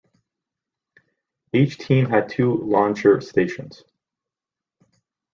Each team had two launcher stations.